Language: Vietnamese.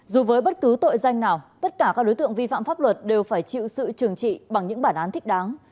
dù với bất cứ tội danh nào tất cả các đối tượng vi phạm pháp luật đều phải chịu sự trừng trị bằng những bản án thích đáng